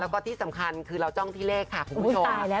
แล้วก็ที่สำคัญคือเราจ้องที่เลขค่ะคุณผู้ชม